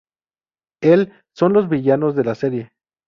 El son los villanos de la serie.